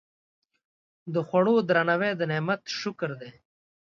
د خوړو درناوی د نعمت شکر دی.